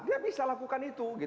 dia bisa lakukan itu